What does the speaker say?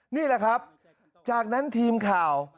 นี่แหละครับจากนั้นทีมข่าว